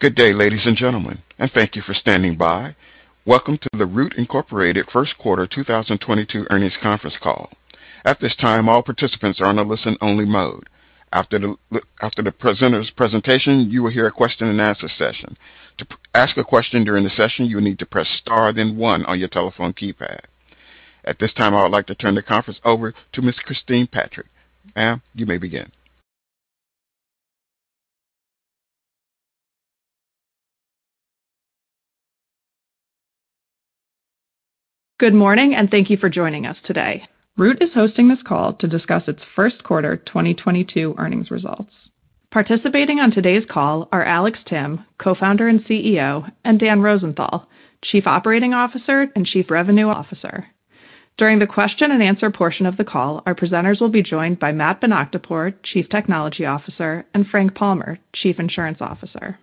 Good day, ladies and gentlemen, and thank you for standing by. Welcome to the Root, Inc. Q1 2022 Earnings Conference Call. At this time, all participants are on a listen only mode. After the presenter's presentation, you will hear a question and answer session. To ask a question during the session, you will need to press Star, then one on your telephone keypad. At this time, I would like to turn the conference over to Ms. Christine Patrick. Ma'am, you may begin. Good morning, and thank you for joining us today. Root is hosting this call to discuss its Q1 2022 earnings results. Participating on today's call are Alex Timm, Co-Founder and CEO, and Dan Rosenthal, Chief Operating Officer and Chief Revenue Officer. During the question and answer portion of the call, our presenters will be joined by Matt Bonakdarpour, Chief Technology Officer, and Frank Palmer, Chief Insurance Officer.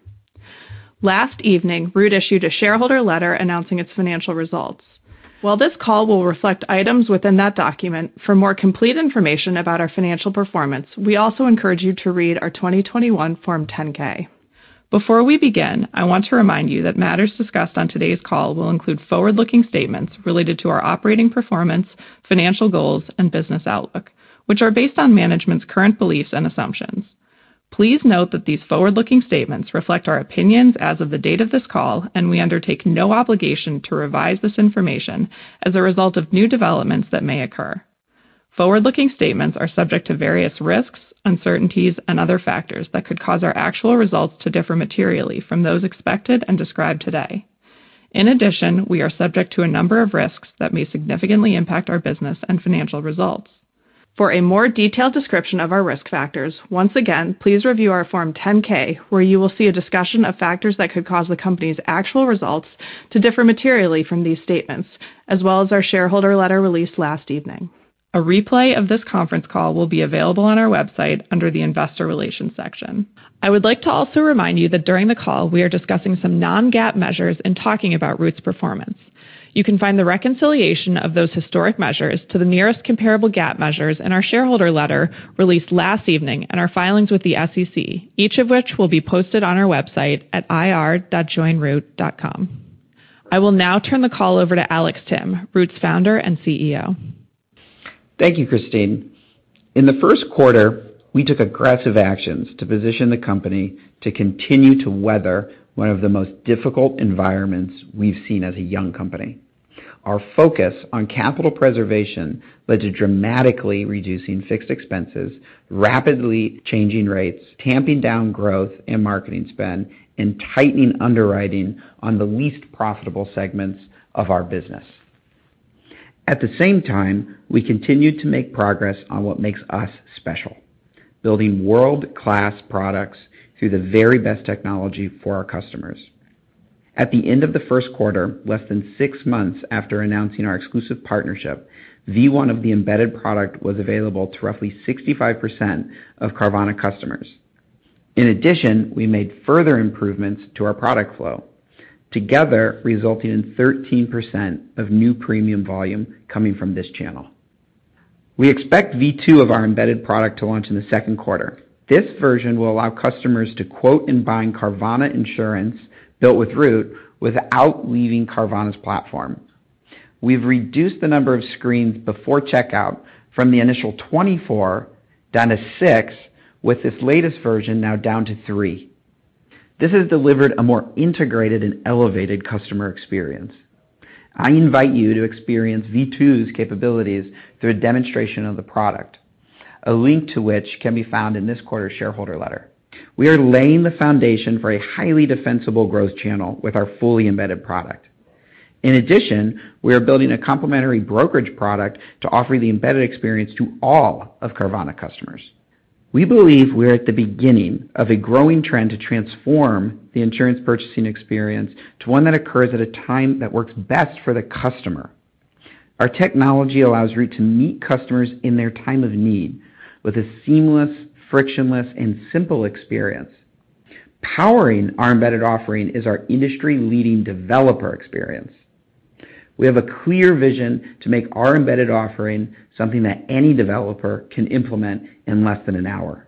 Last evening, Root issued a shareholder letter announcing its financial results. While this call will reflect items within that document, for more complete information about our financial performance, we also encourage you to read our 2021 Form 10-K. Before we begin, I want to remind you that matters discussed on today's call will include forward-looking statements related to our operating performance, financial goals, and business outlook, which are based on management's current beliefs and assumptions. Please note that these forward-looking statements reflect our opinions as of the date of this call, and we undertake no obligation to revise this information as a result of new developments that may occur. Forward-looking statements are subject to various risks, uncertainties, and other factors that could cause our actual results to differ materially from those expected and described today. In addition, we are subject to a number of risks that may significantly impact our business and financial results. For a more detailed description of our risk factors, once again, please review our Form 10-K, where you will see a discussion of factors that could cause the company's actual results to differ materially from these statements, as well as our shareholder letter released last evening. A replay of this conference call will be available on our website under the Investor Relations section. I would like to also remind you that during the call, we are discussing some non-GAAP measures in talking about Root's performance. You can find the reconciliation of those historic measures to the nearest comparable GAAP measures in our shareholder letter released last evening and our filings with the SEC, each of which will be posted on our website at ir.joinroot.com. I will now turn the call over to Alex Timm, Root's Founder and CEO. Thank you, Christine. In the Q1, we took aggressive actions to position the company to continue to weather one of the most difficult environments we've seen as a young company. Our focus on capital preservation led to dramatically reducing fixed expenses, rapidly changing rates, tamping down growth and marketing spend, and tightening underwriting on the least profitable segments of our business. At the same time, we continued to make progress on what makes us special, building world-class products through the very best technology for our customers. At the end of the Q1, less than six months after announcing our exclusive partnership, V1 of the embedded product was available to roughly 65% of Carvana customers. In addition, we made further improvements to our product flow, together resulting in 13% of new premium volume coming from this channel. We expect V2 of our embedded product to launch in the Q2. This version will allow customers to quote and bind Carvana insurance built with Root without leaving Carvana's platform. We've reduced the number of screens before checkout from the initial 24 down to six, with this latest version now down to three. This has delivered a more integrated and elevated customer experience. I invite you to experience V2's capabilities through a demonstration of the product, a link to which can be found in this quarter's shareholder letter. We are laying the foundation for a highly defensible growth channel with our fully embedded product. In addition, we are building a complementary brokerage product to offer the embedded experience to all of Carvana customers. We believe we are at the beginning of a growing trend to transform the insurance purchasing experience to one that occurs at a time that works best for the customer. Our technology allows Root to meet customers in their time of need with a seamless, frictionless, and simple experience. Powering our embedded offering is our industry-leading developer experience. We have a clear vision to make our embedded offering something that any developer can implement in less than an hour.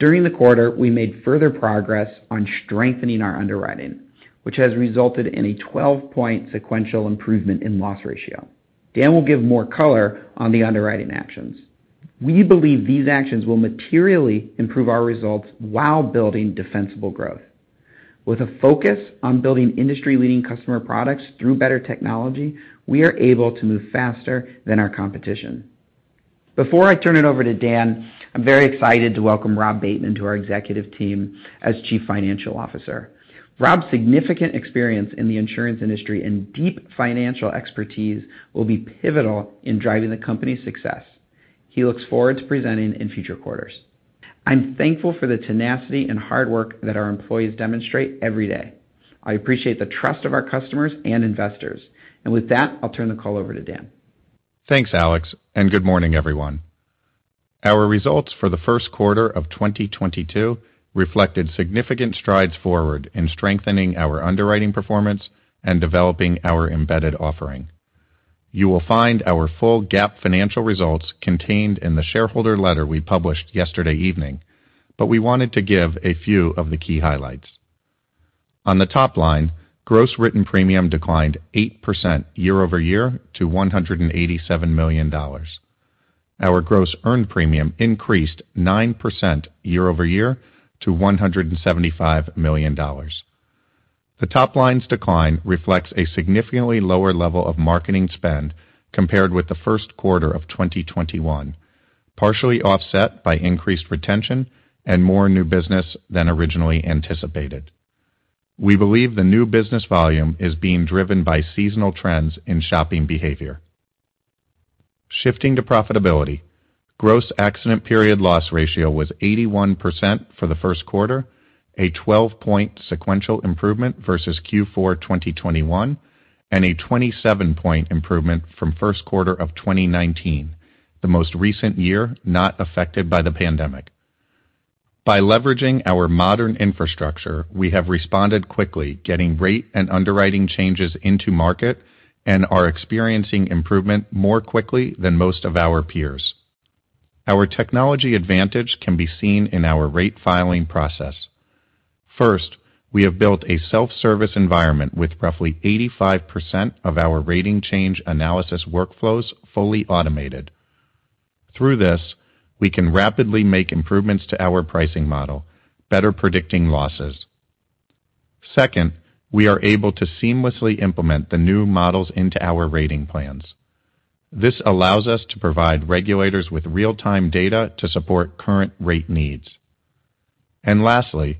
During the quarter, we made further progress on strengthening our underwriting, which has resulted in a 12-point sequential improvement in loss ratio. Dan will give more color on the underwriting actions. We believe these actions will materially improve our results while building defensible growth. With a focus on building industry-leading customer products through better technology, we are able to move faster than our competition. Before I turn it over to Dan, I'm very excited to welcome Rob Bateman to our executive team as Chief Financial Officer. Rob's significant experience in the insurance industry and deep financial expertise will be pivotal in driving the company's success. He looks forward to presenting in future quarters. I'm thankful for the tenacity and hard work that our employees demonstrate every day. I appreciate the trust of our customers and investors. With that, I'll turn the call over to Dan. Thanks, Alex, and good morning, everyone. Our results for the Q1 of 2022 reflected significant strides forward in strengthening our underwriting performance and developing our embedded offering. You will find our full GAAP financial results contained in the shareholder letter we published yesterday evening, but we wanted to give a few of the key highlights. On the top line, gross written premium declined 8% year-over-year to $187 million. Our gross earned premium increased 9% year-over-year to $175 million. The top line's decline reflects a significantly lower level of marketing spend compared with the Q1 of 2021, partially offset by increased retention and more new business than originally anticipated. We believe the new business volume is being driven by seasonal trends in shopping behavior. Shifting to profitability. Gross accident period loss ratio was 81% for the Q1, a 12-point sequential improvement versus Q4 2021, and a 27-point improvement from Q1 of 2019, the most recent year not affected by the pandemic. By leveraging our modern infrastructure, we have responded quickly getting rate and underwriting changes into market and are experiencing improvement more quickly than most of our peers. Our technology advantage can be seen in our rate filing process. First, we have built a self-service environment with roughly 85% of our rating change analysis workflows fully automated. Through this, we can rapidly make improvements to our pricing model, better predicting losses. Second, we are able to seamlessly implement the new models into our rating plans. This allows us to provide regulators with real-time data to support current rate needs. Lastly,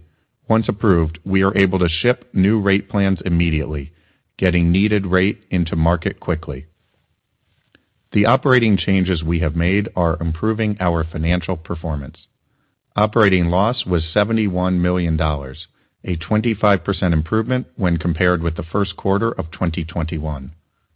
once approved, we are able to ship new rate plans immediately, getting needed rate into market quickly. The operating changes we have made are improving our financial performance. Operating loss was $71 million, a 25% improvement when compared with the Q1of 2021.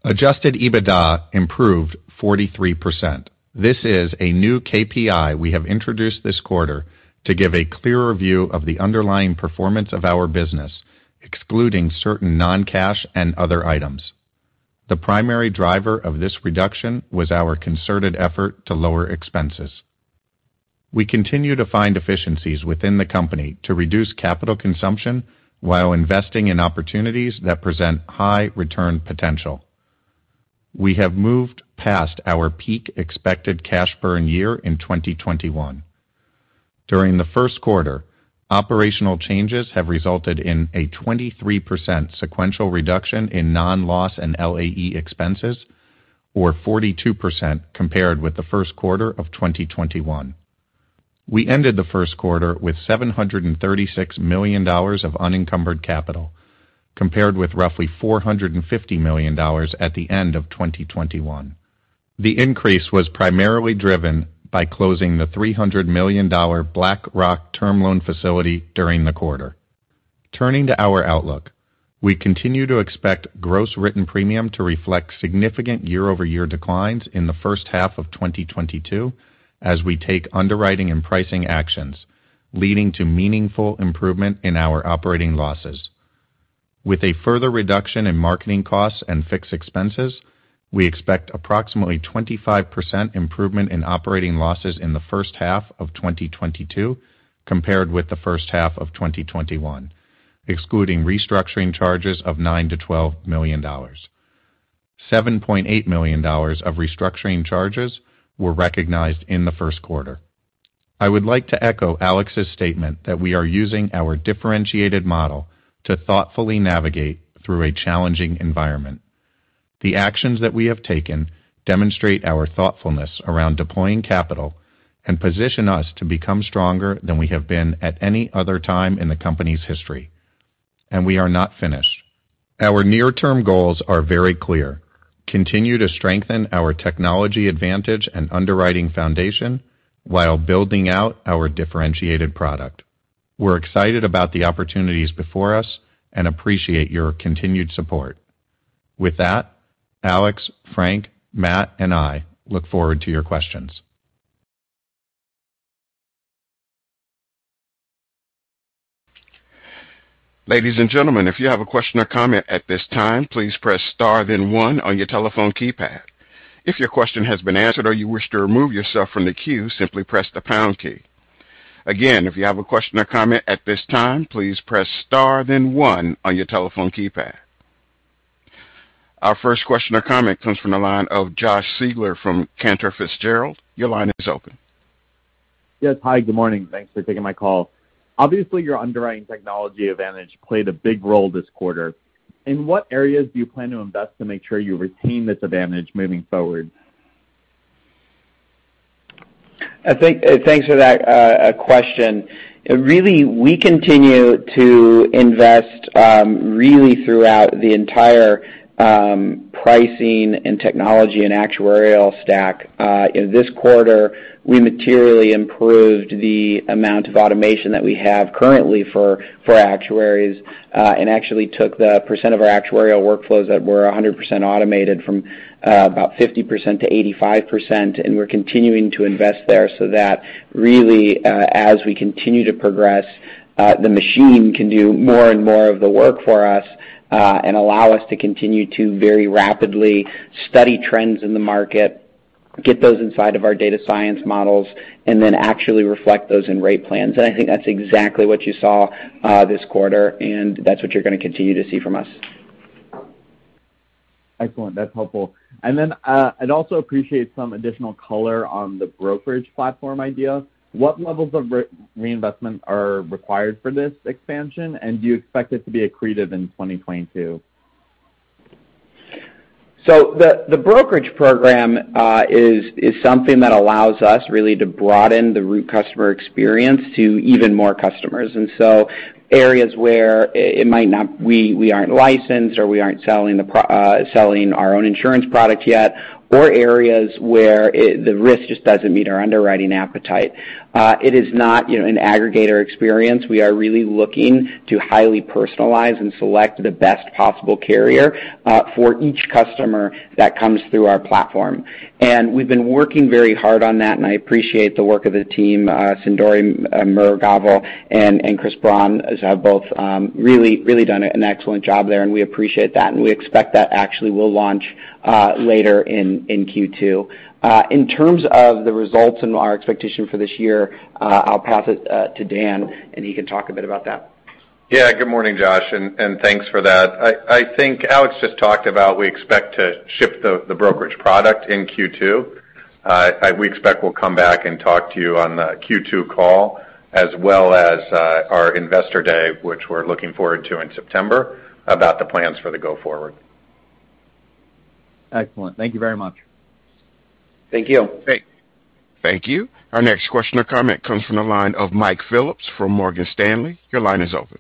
Adjusted EBITDA improved 43%. This is a new KPI we have introduced this quarter to give a clearer view of the underlying performance of our business, excluding certain non-cash and other items. The primary driver of this reduction was our concerted effort to lower expenses. We continue to find efficiencies within the company to reduce capital consumption while investing in opportunities that present high return potential. We have moved past our peak expected cash burn year in 2021. During the Q1, operational changes have resulted in a 23% sequential reduction in non-loss and LAE expenses, or 42% compared with the Q1 of 2021. We ended the Q1 with $736 million of unencumbered capital, compared with roughly $450 million at the end of 2021. The increase was primarily driven by closing the $300 million BlackRock term loan facility during the quarter. Turning to our outlook. We continue to expect gross written premium to reflect significant year-over-year declines in the first half of 2022 as we take underwriting and pricing actions, leading to meaningful improvement in our operating losses. With a further reduction in marketing costs and fixed expenses, we expect approximately 25% improvement in operating losses in the first half of 2022 compared with the first half of 2021, excluding restructuring charges of $9 million-$12 million. $7.8 million of restructuring charges were recognized in the Q1. I would like to echo Alex's statement that we are using our differentiated model to thoughtfully navigate through a challenging environment. The actions that we have taken demonstrate our thoughtfulness around deploying capital and position us to become stronger than we have been at any other time in the company's history. We are not finished. Our near-term goals are very clear. Continue to strengthen our technology advantage and underwriting foundation while building out our differentiated product. We're excited about the opportunities before us and appreciate your continued support. With that, Alex, Frank, Matt, and I look forward to your questions. Ladies and gentlemen, if you have a question or comment at this time, please press star then one on your telephone keypad. If your question has been answered or you wish to remove yourself from the queue, simply press the pound key. Again, if you have a question or comment at this time, please press star then one on your telephone keypad. Our first question or comment comes from the line of Josh Siegler from Cantor Fitzgerald. Your line is open. Yes. Hi, good morning. Thanks for taking my call. Obviously, your underwriting technology advantage played a big role this quarter. In what areas do you plan to invest to make sure you retain this advantage moving forward? Thanks for that question. Really, we continue to invest, really throughout the entire pricing and technology and actuarial stack. In this quarter, we materially improved the amount of automation that we have currently for actuaries, and actually took the percent of our actuarial workflows that were 100% automated from about 50% to 85%. We're continuing to invest there so that really, as we continue to progress, the machine can do more and more of the work for us, and allow us to continue to very rapidly study trends in the market, get those inside of our data science models, and then actually reflect those in rate plans. I think that's exactly what you saw this quarter, and that's what you're gonna continue to see from us. Excellent. That's helpful. I'd also appreciate some additional color on the brokerage platform idea. What levels of reinvestment are required for this expansion, and do you expect it to be accretive in 2022? The brokerage program is something that allows us really to broaden the Root customer experience to even more customers. Areas where we aren't licensed, or we aren't selling our own insurance product yet, or areas where the risk just doesn't meet our underwriting appetite. It is not, you know, an aggregator experience. We are really looking to highly personalize and select the best possible carrier for each customer that comes through our platform. We've been working very hard on that, and I appreciate the work of the team. Sindhuri Murugavel and Chris Braun have both really done an excellent job there, and we appreciate that. We expect that actually will launch later in Q2. In terms of the results and our expectation for this year, I'll pass it to Dan, and he can talk a bit about that. Yeah. Good morning, Josh, and thanks for that. I think Alex just talked about we expect to ship the brokerage product in Q2. We expect we'll come back and talk to you on the Q2 call as well as our investor day, which we're looking forward to in September, about the plans for the go forward. Excellent. Thank you very much. Thank you. Great. Thank you. Our next question or comment comes from the line of Mike Phillips from Morgan Stanley. Your line is open.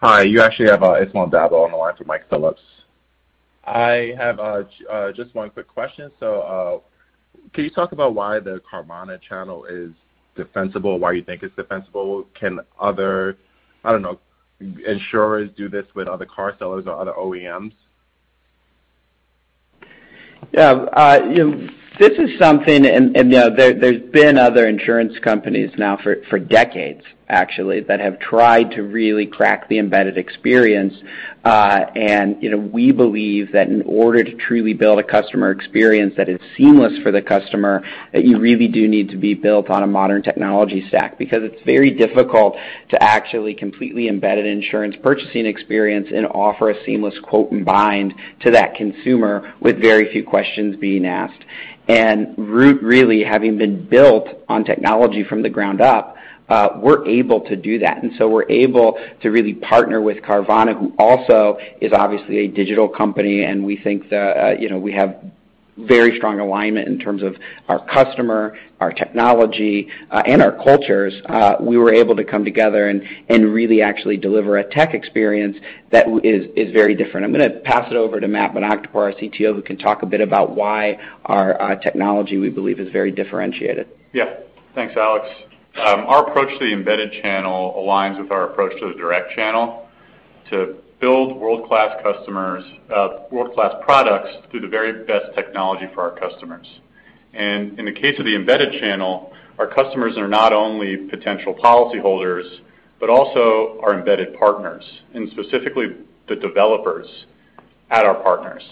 Hi. You actually have Ismail Ahmed on the line for Mike Phillips. I have just one quick question. Can you talk about why the Carvana channel is defensible, why you think it's defensible? Can other, I don't know, insurers do this with other car sellers or other OEMs? Yeah, you know, this is something. You know, there's been other insurance companies now for decades, actually, that have tried to really crack the embedded experience. You know, we believe that in order to truly build a customer experience that is seamless for the customer, that you really do need to be built on a modern technology stack. Because it's very difficult to actually completely embed an insurance purchasing experience and offer a seamless quote and bind to that consumer with very few questions being asked. Root really having been built on technology from the ground up, we're able to do that. We're able to really partner with Carvana, who also is obviously a digital company, and we think that, you know, we have very strong alignment in terms of our customer, our technology, and our cultures. We were able to come together and really actually deliver a tech experience that is very different. I'm gonna pass it over to Matt Bonakdarpour, our CTO, who can talk a bit about why our technology we believe is very differentiated. Yeah. Thanks, Alex. Our approach to the embedded channel aligns with our approach to the direct channel, to build world-class products through the very best technology for our customers. In the case of the embedded channel, our customers are not only potential policyholders but also our embedded partners, and specifically the developers at our partners.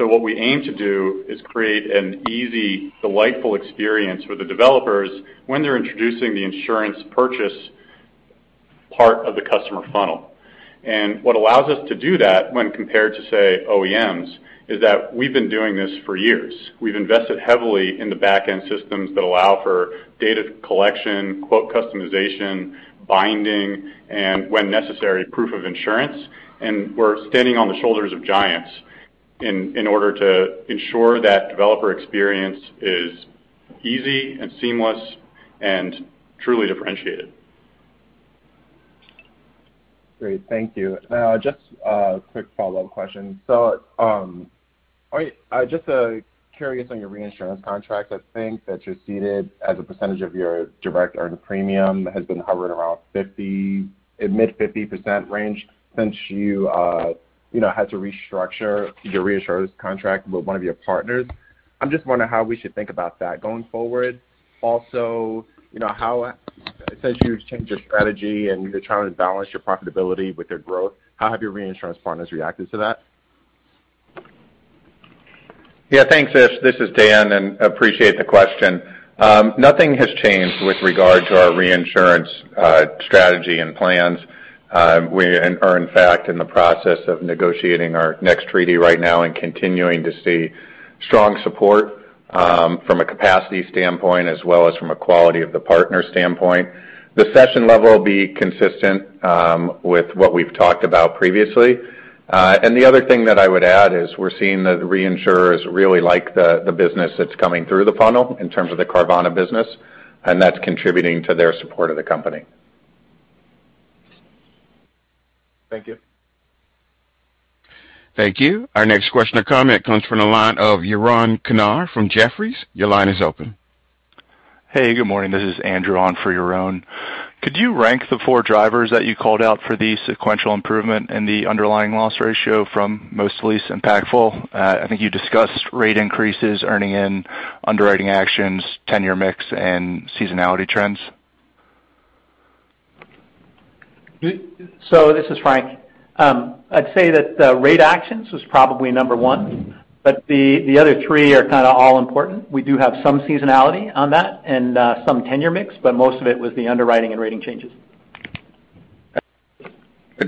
What we aim to do is create an easy, delightful experience for the developers when they're introducing the insurance purchase part of the customer funnel. What allows us to do that when compared to, say, OEMs, is that we've been doing this for years. We've invested heavily in the back-end systems that allow for data collection, quote customization, binding, and when necessary, proof of insurance. We're standing on the shoulders of giants in order to ensure that developer experience is easy and seamless and truly differentiated. Great. Thank you. Just a quick follow-up question. Just curious on your reinsurance contract. I think that you're ceding as a percentage of your direct earned premium has been hovering around mid-50% range since you had to restructure your reinsurance contract with one of your partners. I'm just wondering how we should think about that going forward. Also, it says you've changed your strategy, and you're trying to balance your profitability with your growth. How have your reinsurance partners reacted to that? Yeah. Thanks, Ismaan. This is Dan, and appreciate the question. Nothing has changed with regard to our reinsurance strategy and plans. We are in fact in the process of negotiating our next treaty right now and continuing to see strong support from a capacity standpoint as well as from a quality of the partner standpoint. The cession level will be consistent with what we've talked about previously. The other thing that I would add is we're seeing the reinsurers really like the business that's coming through the funnel in terms of the Carvana business, and that's contributing to their support of the company. Thank you. Thank you. Our next question or comment comes from the line of Yaron Kinar from Jefferies. Your line is open. Hey, good morning. This is Andrew Kligerman on for Yaron KInar. Could you rank the four drivers that you called out for the sequential improvement in the underlying loss ratio from most to least impactful? I think you discussed rate increases, earning and underwriting actions, tenure mix, and seasonality trends. This is Frank. I'd say that the rate actions was probably number one, but the other three are kinda all important. We do have some seasonality on that and some tenure mix, but most of it was the underwriting and rating changes.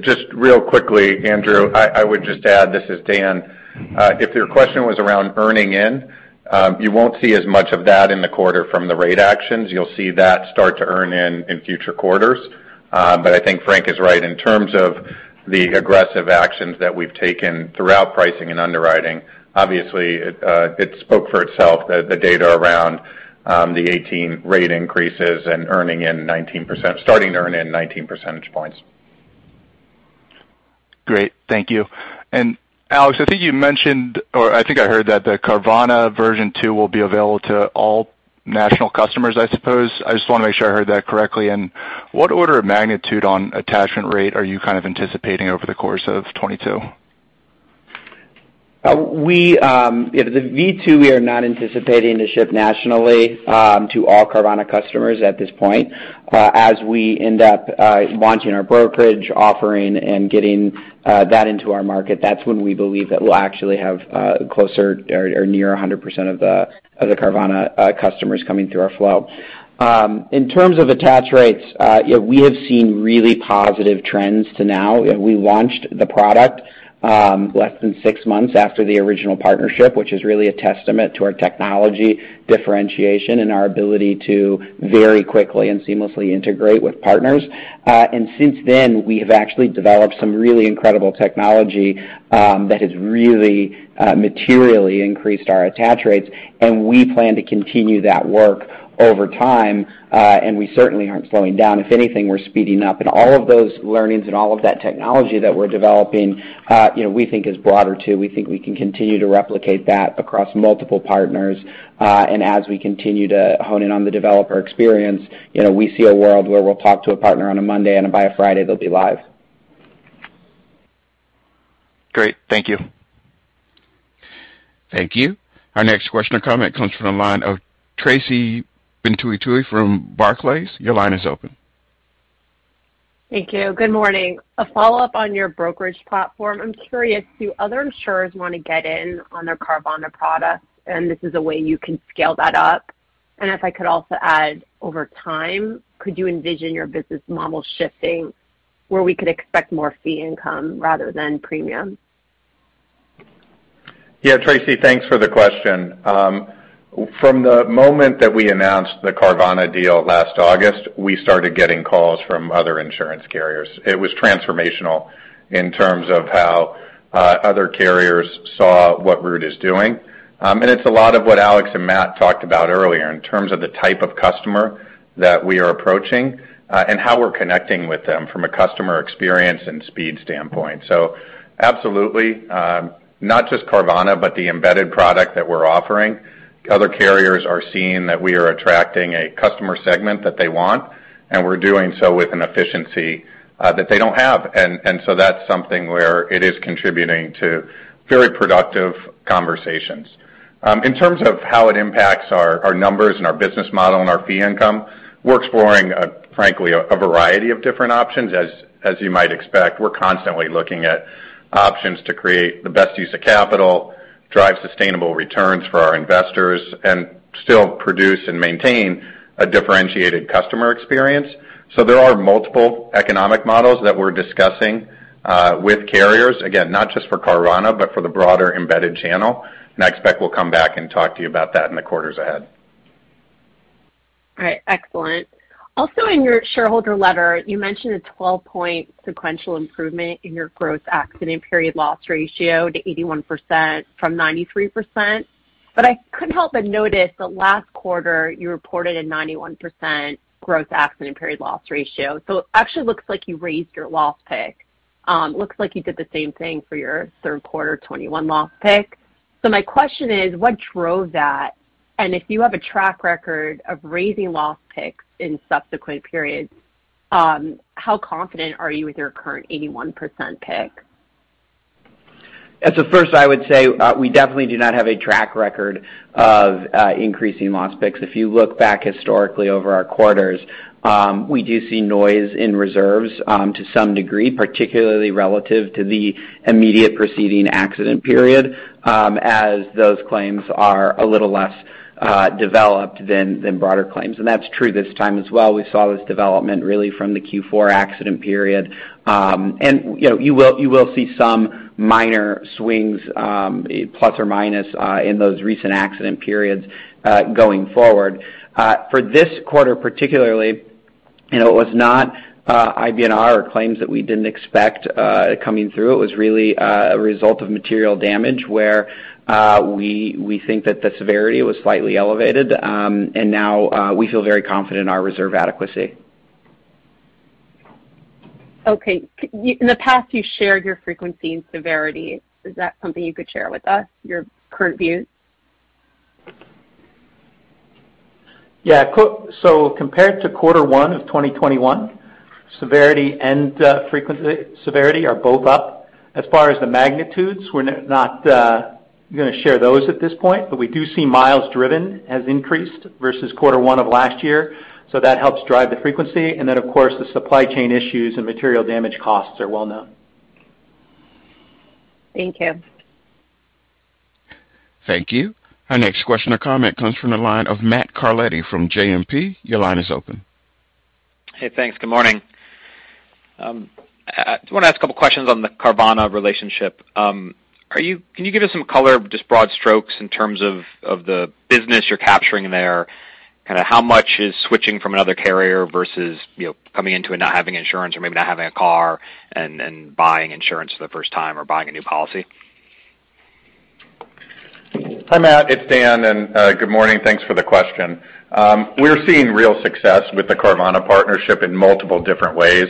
Just real quickly, Andrew, I would just add, this is Dan. If your question was around earning in, you won't see as much of that in the quarter from the rate actions. You'll see that start to earn in future quarters. I think Frank is right. In terms of the aggressive actions that we've taken throughout pricing and underwriting, obviously it spoke for itself, the data around the 18 rate increases and starting to earn in 19 percentage points. Great. Thank you. Alex, I think you mentioned, or I think I heard that the Carvana version two will be available to all national customers, I suppose. I just wanna make sure I heard that correctly. What order of magnitude on attachment rate are you kind of anticipating over the course of 2022? The V2 we are not anticipating to ship nationally to all Carvana customers at this point. As we end up launching our brokerage offering and getting that into our market, that's when we believe that we'll actually have closer or near 100% of the Carvana customers coming through our flow. In terms of attach rates, you know, we have seen really positive trends up to now. We launched the product less than six months after the original partnership, which is really a testament to our technology differentiation and our ability to very quickly and seamlessly integrate with partners. Since then, we have actually developed some really incredible technology that has really materially increased our attach rates, and we plan to continue that work over time, and we certainly aren't slowing down. If anything, we're speeding up. All of those learnings and all of that technology that we're developing, you know, we think is broader, too. We think we can continue to replicate that across multiple partners. As we continue to hone in on the developer experience, you know, we see a world where we'll talk to a partner on a Monday, and by a Friday, they'll be live. Great. Thank you. Thank you. Our next question or comment comes from the line of Tracy Benguigui from Barclays. Your line is open. Thank you. Good morning. A follow-up on your brokerage platform. I'm curious, do other insurers wanna get in on their Carvana product, and this is a way you can scale that up? If I could also add, over time, could you envision your business model shifting where we could expect more fee income rather than premium? Yeah, Tracy, thanks for the question. From the moment that we announced the Carvana deal last August, we started getting calls from other insurance carriers. It was transformational in terms of how other carriers saw what Root is doing. It's a lot of what Alex and Matt talked about earlier in terms of the type of customer that we are approaching, and how we're connecting with them from a customer experience and speed standpoint. Absolutely, not just Carvana, but the embedded product that we're offering. Other carriers are seeing that we are attracting a customer segment that they want, and we're doing so with an efficiency that they don't have. That's something where it is contributing to very productive conversations. In terms of how it impacts our numbers and our business model and our fee income, we're exploring frankly a variety of different options. As you might expect, we're constantly looking at options to create the best use of capital, drive sustainable returns for our investors, and still produce and maintain a differentiated customer experience. There are multiple economic models that we're discussing with carriers, again, not just for Carvana, but for the broader embedded channel. I expect we'll come back and talk to you about that in the quarters ahead. All right. Excellent. Also, in your shareholder letter, you mentioned a 12-point sequential improvement in your gross accident period loss ratio to 81% from 93%. I couldn't help but notice that last quarter you reported a 91% gross accident period loss ratio. It actually looks like you raised your loss pick. Looks like you did the same thing for your Q3 2021 loss pick. My question is, what drove that? If you have a track record of raising loss picks in subsequent periods, how confident are you with your current 81% pick? First, I would say, we definitely do not have a track record of increasing loss picks. If you look back historically over our quarters, we do see noise in reserves, to some degree, particularly relative to the immediate preceding accident period, as those claims are a little less developed than broader claims. That's true this time as well. We saw this development really from the Q4 accident period. You know, you will see some minor swings, plus or minus, in those recent accident periods, going forward. For this quarter particularly, you know, it was not IBNR or claims that we didn't expect coming through. It was really a result of material damage where we think that the severity was slightly elevated, and now we feel very confident in our reserve adequacy. Okay. In the past, you shared your frequency and severity. Is that something you could share with us, your current views? Compared to quarter one of 2021, severity and frequency are both up. As far as the magnitudes, we're not gonna share those at this point, but we do see miles driven has increased versus quarter one of last year. That helps drive the frequency. Of course, the supply chain issues and material damage costs are well known. Thank you. Thank you. Our next question or comment comes from the line of Matt Carletti from JMP. Your line is open. Hey, thanks. Good morning. I just wanna ask a couple questions on the Carvana relationship. Can you give us some color, just broad strokes in terms of the business you're capturing there, kinda how much is switching from another carrier versus, you know, coming into it not having insurance or maybe not having a car and buying insurance for the first time or buying a new policy? Hi, Matt. It's Dan. Good morning. Thanks for the question. We're seeing real success with the Carvana partnership in multiple different ways.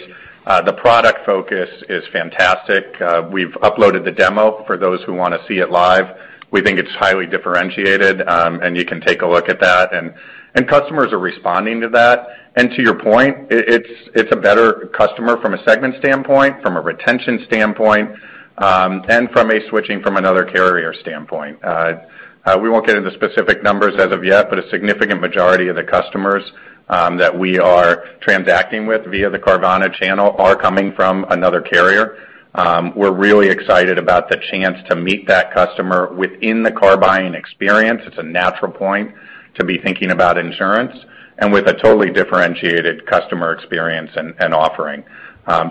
The product focus is fantastic. We've uploaded the demo for those who wanna see it live. We think it's highly differentiated, and you can take a look at that. Customers are responding to that. To your point, it's a better customer from a segment standpoint, from a retention standpoint, and from a switching from another carrier standpoint. We won't get into specific numbers as of yet, but a significant majority of the customers that we are transacting with via the Carvana channel are coming from another carrier. We're really excited about the chance to meet that customer within the car buying experience. It's a natural point to be thinking about insurance and with a totally differentiated customer experience and offering.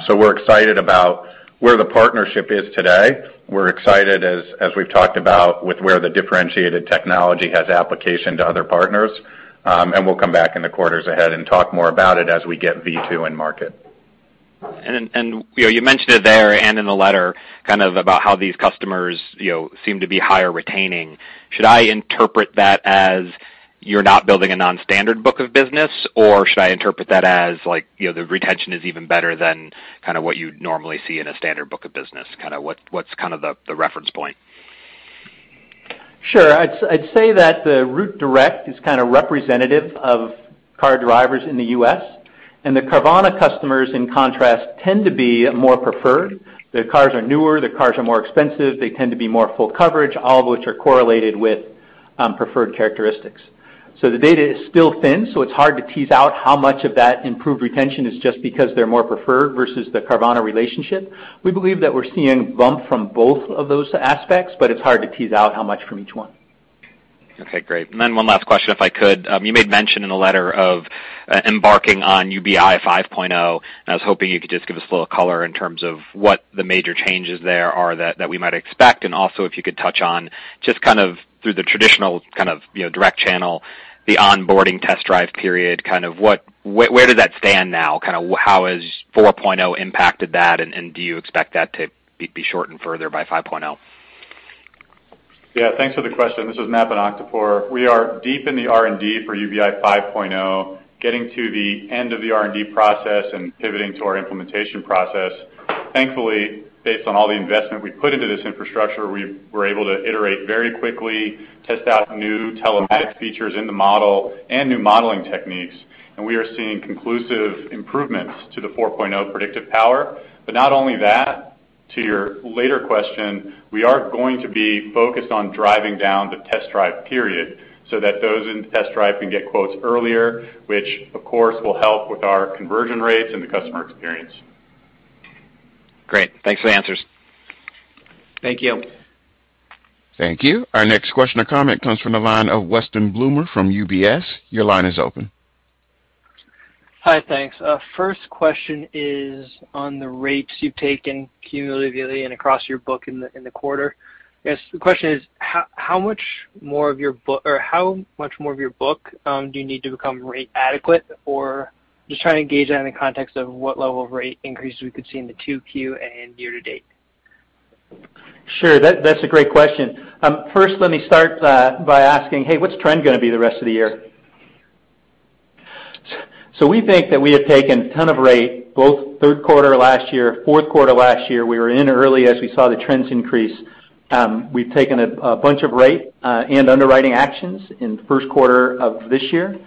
We're excited about where the partnership is today. We're excited as we've talked about with where the differentiated technology has application to other partners. We'll come back in the quarters ahead and talk more about it as we get V2 in market. You know, you mentioned it there and in the letter kind of about how these customers, you know, seem to be higher retention. Should I interpret that as you're not building a non-standard book of business? Or should I interpret that as like, you know, the retention is even better than kinda what you'd normally see in a standard book of business? What's kind of the reference point? Sure. I'd say that the Root Direct is kind of representative of car drivers in the U.S. The Carvana customers, in contrast, tend to be more preferred. The cars are newer, the cars are more expensive. They tend to be more full coverage, all of which are correlated with preferred characteristics. The data is still thin, so it's hard to tease out how much of that improved retention is just because they're more preferred versus the Carvana relationship. We believe that we're seeing bump from both of those aspects, but it's hard to tease out how much from each one. Okay, great. One last question, if I could. You made mention in the letter of embarking on UBI 5.0, and I was hoping you could just give us a little color in terms of what the major changes there are that we might expect. Also, if you could touch on just kind of through the traditional kind of direct channel, the onboarding test drive period, kind of where does that stand now? Kind of how has 4.0 impacted that, and do you expect that to be shortened further by 5.0? Yeah. Thanks for the question. This is Matt Bonakdarpour. We are deep in the R&D for UBI 5.0, getting to the end of the R&D process and pivoting to our implementation process. Thankfully, based on all the investment we put into this infrastructure, we're able to iterate very quickly, test out new telematics features in the model and new modeling techniques, and we are seeing conclusive improvements to the 4.0 predictive power. Not only that, to your later question, we are going to be focused on driving down the test drive period so that those in test drive can get quotes earlier, which of course will help with our conversion rates and the customer experience. Great. Thanks for the answers. Thank you. Thank you. Our next question or comment comes from the line of Weston Bloomer from UBS. Your line is open. Hi. Thanks. First question is on the rates you've taken cumulatively and across your book in the quarter. I guess the question is how much more of your book do you need to become rate adequate? Just trying to gauge that in the context of what level of rate increases we could see in the 2Q and year-to-date. Sure. That's a great question. First let me start by asking, hey, what the trend gonna be the rest of the year? So we think that we have taken a ton of rate, both Q3 last year, Q4 last year. We were in early as we saw the trends increase. We've taken a bunch of rate and underwriting actions in Q1 of this year.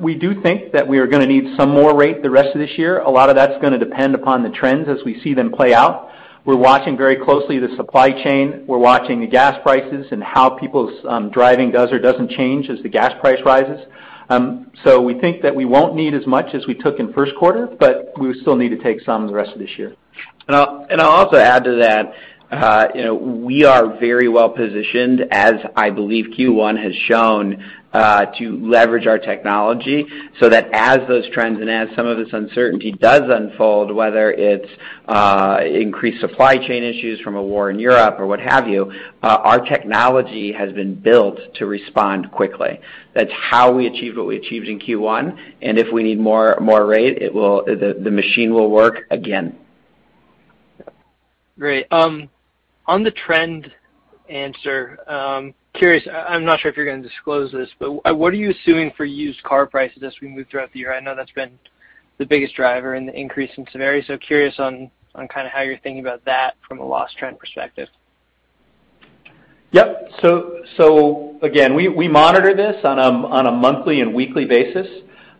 We do think that we are gonna need some more rate the rest of this year. A lot of that's gonna depend upon the trends as we see them play out. We're watching very closely the supply chain. We're watching the gas prices and how people's driving does or doesn't change as the gas price rises. We think that we won't need as much as we took in Q1, but we still need to take some the rest of this year. I'll also add to that, you know, we are very well positioned, as I believe Q1 has shown, to leverage our technology so that as those trends and as some of this uncertainty does unfold, whether it's increased supply chain issues from a war in Europe or what have you, our technology has been built to respond quickly. That's how we achieved what we achieved in Q1, and if we need more rate, the machine will work again. Great. On the trend answer, curious, I'm not sure if you're gonna disclose this, but what are you assuming for used car prices as we move throughout the year? I know that's been the biggest driver in the increase in severity. Curious on kind of how you're thinking about that from a loss trend perspective. Yep. Again, we monitor this on a monthly and weekly basis.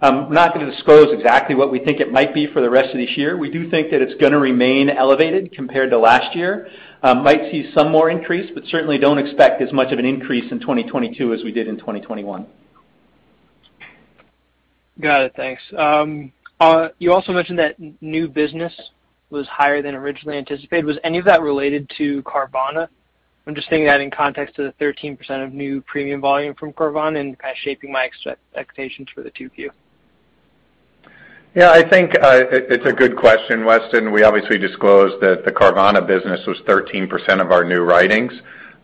I'm not gonna disclose exactly what we think it might be for the rest of this year. We do think that it's gonna remain elevated compared to last year. Might see some more increase, but certainly don't expect as much of an increase in 2022 as we did in 2021. Got it. Thanks. You also mentioned that new business was higher than originally anticipated. Was any of that related to Carvana? I'm just thinking that in context to the 13% of new premium volume from Carvana and kind of shaping my expectations for the 2Q. Yeah, I think it's a good question, Weston. We obviously disclosed that the Carvana business was 13% of our new writings.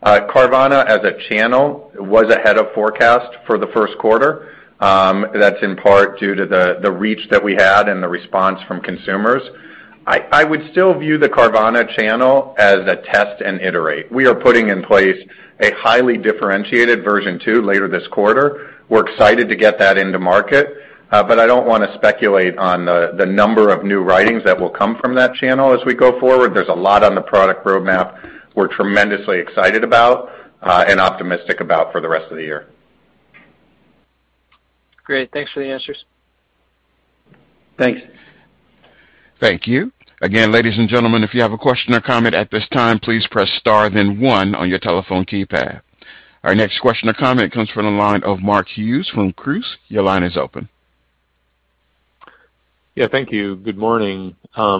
Carvana, as a channel, was ahead of forecast for the Q1. That's in part due to the reach that we had and the response from consumers. I would still view the Carvana channel as a test and iterate. We are putting in place a highly differentiated version two later this quarter. We're excited to get that into market. But I don't wanna speculate on the number of new writings that will come from that channel as we go forward. There's a lot on the product roadmap we're tremendously excited about and optimistic about for the rest of the year. Great. Thanks for the answers. Thanks. Thank you. Again, ladies and gentlemen, if you have a question or comment at this time, please press star then one on your telephone keypad. Our next question or comment comes from the line of Mark Hughes from Truist. Your line is open. Yeah, thank you. Good morning. When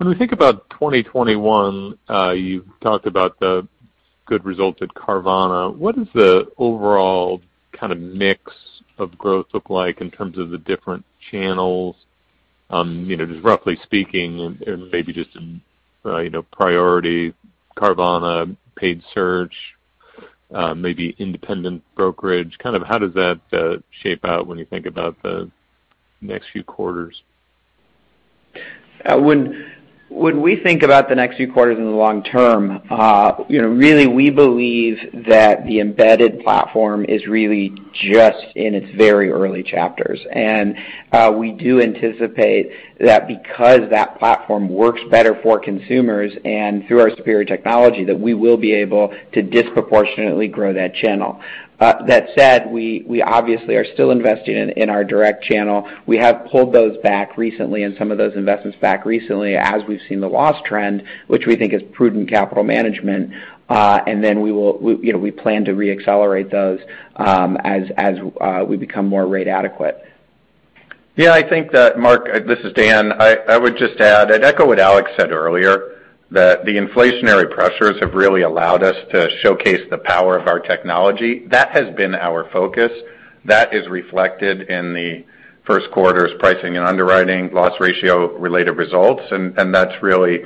we think about 2021, you've talked about the good results at Carvana. What does the overall kind of mix of growth look like in terms of the different channels? You know, just roughly speaking and maybe just in, you know, priority Carvana paid search, maybe independent brokerage, kind of how does that shape out when you think about the next few quarters? When we think about the next few quarters in the long term, you know, really we believe that the embedded platform is really just in its very early chapters. We do anticipate that because that platform works better for consumers and through our superior technology, that we will be able to disproportionately grow that channel. That said, we obviously are still investing in our direct channel. We have pulled those investments back recently as we've seen the loss trend, which we think is prudent capital management. We will, you know, plan to reaccelerate those as we become more rate adequate. Yeah, I think that Mark, this is Dan. I would just add and echo what Alex said earlier, that the inflationary pressures have really allowed us to showcase the power of our technology. That has been our focus. That is reflected in the Q1's pricing and underwriting loss ratio related results. That's really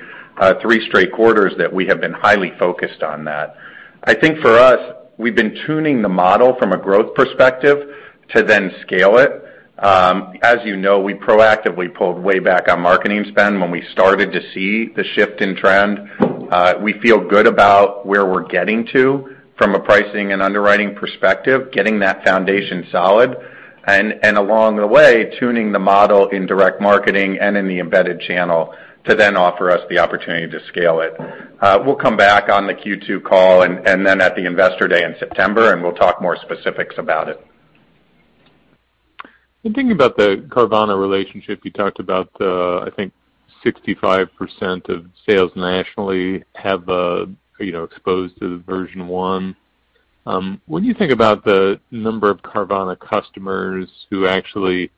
three straight quarters that we have been highly focused on that. I think for us, we've been tuning the model from a growth perspective to then scale it. As you know, we proactively pulled way back on marketing spend when we started to see the shift in trend. We feel good about where we're getting to from a pricing and underwriting perspective, getting that foundation solid and along the way, tuning the model in direct marketing and in the embedded channel to then offer us the opportunity to scale it. We'll come back on the Q2 call and then at the Investor Day in September, and we'll talk more specifics about it. In thinking about the Carvana relationship, you talked about the, I think 65% of sales nationally have, you know, exposed to version one. When you think about the number of Carvana customers who actually,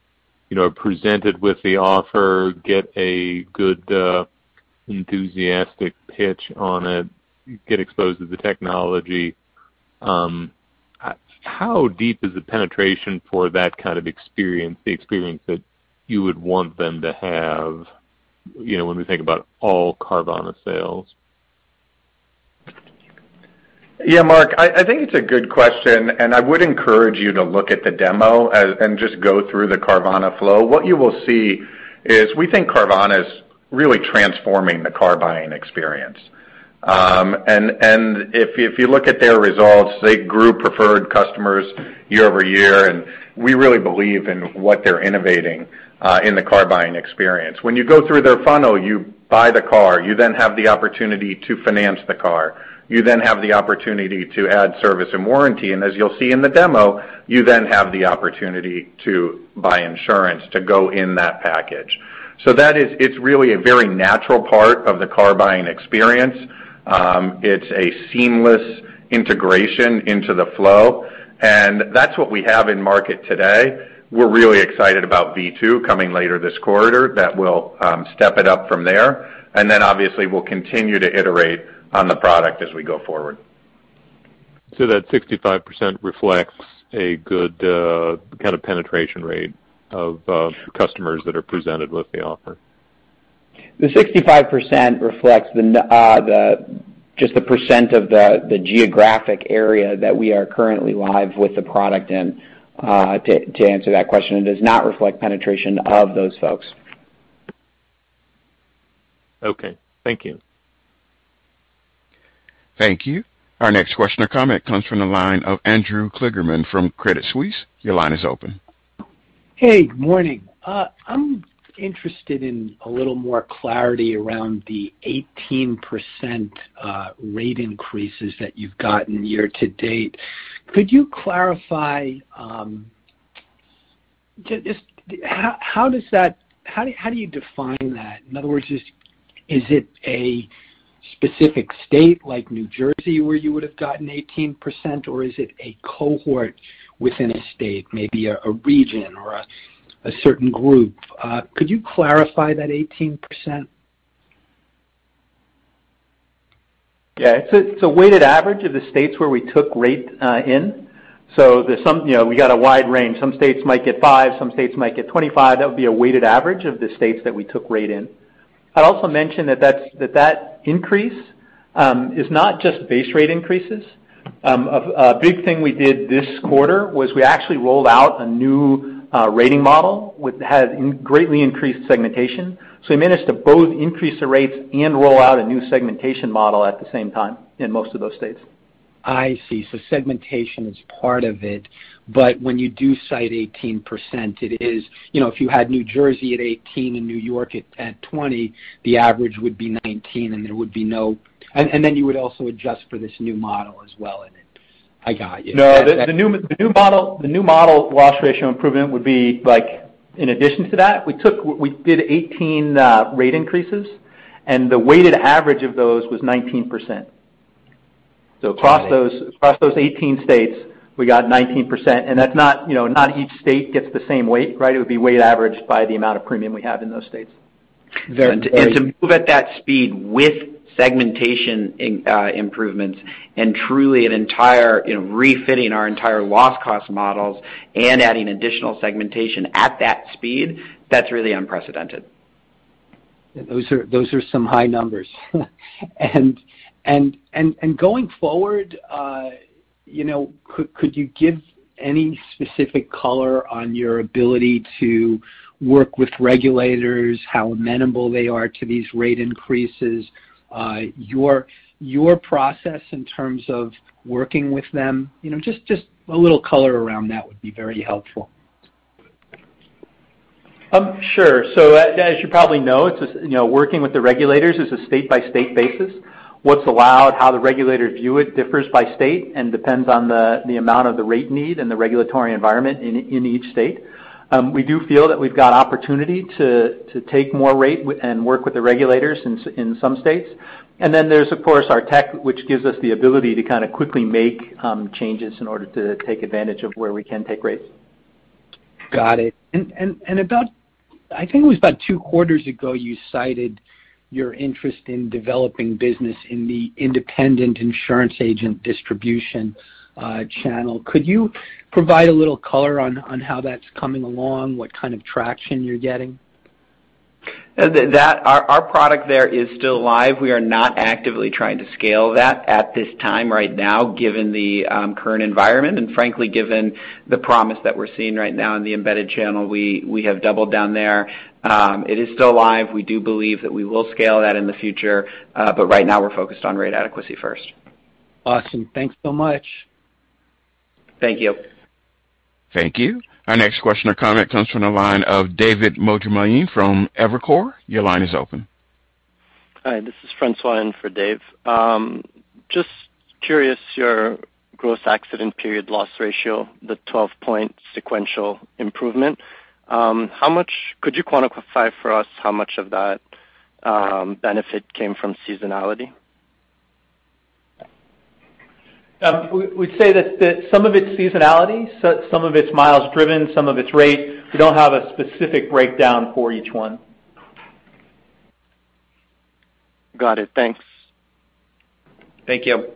you know, are presented with the offer, get a good, enthusiastic pitch on it, get exposed to the technology, how deep is the penetration for that kind of experience, the experience that you would want them to have, you know, when we think about all Carvana sales? Yeah, Mark, I think it's a good question, and I would encourage you to look at the demo and just go through the Carvana flow. What you will see is we think Carvana is really transforming the car buying experience. If you look at their results, they grew preferred customers year-over-year, and we really believe in what they're innovating in the car buying experience. When you go through their funnel, you buy the car, you then have the opportunity to finance the car. You then have the opportunity to add service and warranty, and as you'll see in the demo, you then have the opportunity to buy insurance to go in that package. That is, it's really a very natural part of the car buying experience. It's a seamless integration into the flow, and that's what we have in market today. We're really excited about V2 coming later this quarter that will step it up from there. Obviously we'll continue to iterate on the product as we go forward. That 65% reflects a good, kind of penetration rate of, customers that are presented with the offer. The 65% reflects just the percent of the geographic area that we are currently live with the product in, to answer that question. It does not reflect penetration of those folks. Okay. Thank you. Thank you. Our next question or comment comes from the line of Andrew Kligerman from Credit Suisse. Your line is open. Hey, good morning. I'm interested in a little more clarity around the 18% rate increases that you've gotten year-to-date. Could you clarify just how you define that? In other words, is it a specific state like New Jersey where you would have gotten 18%, or is it a cohort within a state, maybe a region or a certain group? Could you clarify that 18%? Yeah. It's a weighted average of the states where we took rate in. There's some, you know, we got a wide range. Some states might get 5, some states might get 25. That would be a weighted average of the states that we took rate in. I'd also mention that increase is not just base rate increases. A big thing we did this quarter was we actually rolled out a new rating model which has greatly increased segmentation. We managed to both increase the rates and roll out a new segmentation model at the same time in most of those states. I see. Segmentation is part of it, but when you do cite 18%, it is, you know, if you had New Jersey at 18 and New York at 20, the average would be 19, and then you would also adjust for this new model as well in it. I got you. No. The new model loss ratio improvement would be like in addition to that. We did 18 rate increases, and the weighted average of those was 19%. Across those 18 states, we got 19%. That's not, you know, not each state gets the same weight, right? It would be weighted averaged by the amount of premium we have in those states. Very- To move at that speed with segmentation improvements and truly an entire, you know, refitting our entire loss cost models and adding additional segmentation at that speed, that's really unprecedented. Those are some high numbers. Going forward, you know, could you give any specific color on your ability to work with regulators, how amenable they are to these rate increases, your process in terms of working with them? You know, just a little color around that would be very helpful. Sure. As you probably know, it's just, you know, working with the regulators on a state-by-state basis. What's allowed, how the regulators view it differs by state and depends on the amount of the rate need and the regulatory environment in each state. We do feel that we've got opportunity to take more rate and work with the regulators in some states. There's of course our tech, which gives us the ability to kind of quickly make changes in order to take advantage of where we can take rates. Got it. About I think it was about two quarters ago, you cited your interest in developing business in the independent insurance agent distribution channel. Could you provide a little color on how that's coming along, what kind of traction you're getting? Our product there is still live. We are not actively trying to scale that at this time right now, given the current environment and frankly given the promise that we're seeing right now in the embedded channel. We have doubled down there. It is still live. We do believe that we will scale that in the future. Right now we're focused on rate adequacy first. Awesome. Thanks so much. Thank you. Thank you. Our next question or comment comes from the line of David Motemaden from Evercore. Your line is open. Hi, this is Francois in for Dave. Just curious, your gross accident period loss ratio, the 12-point sequential improvement, could you quantify for us how much of that benefit came from seasonality? We'd say that some of it's seasonality, so some of it's miles driven, some of it's rate. We don't have a specific breakdown for each one. Got it. Thanks. Thank you.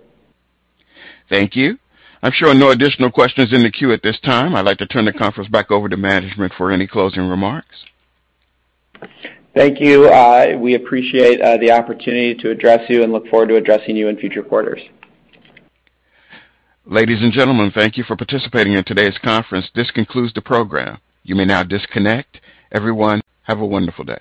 Thank you. I'm showing no additional questions in the queue at this time. I'd like to turn the conference back over to management for any closing remarks. Thank you. We appreciate the opportunity to address you and look forward to addressing you in future quarters. Ladies and gentlemen, thank you for participating in today's conference. This concludes the program. You may now disconnect. Everyone, have a wonderful day.